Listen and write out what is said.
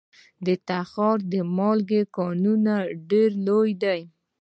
د تخار د مالګې کانونه ډیر لوی دي